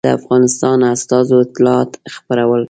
د افغانستان استازو اطلاعات خپرول.